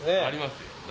ありますよ。